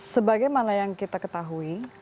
sebagai mana yang kita ketahui